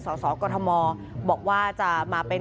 สสกมบอกว่าจะมาเป็น